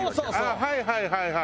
はいはいはいはい。